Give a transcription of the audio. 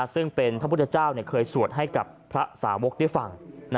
ซึ่งเป็นพระพุทธเจ้าเคยสวดให้กับพระสาวกได้ฟัง